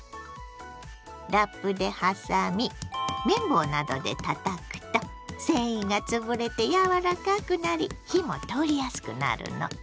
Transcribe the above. ラップで挟み麺棒などでたたくと繊維がつぶれてやわらかくなり火も通りやすくなるの。